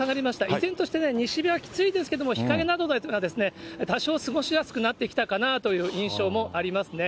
依然として西日はきついですけれども、日陰などは多少、過ごしやすくなってきたかなという印象もありますね。